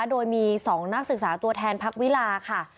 โดยมี๒นักศึกษาตัวแทนพักวิลาค่ะ